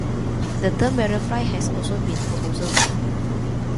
The term "Warriorfly" has also been proposed.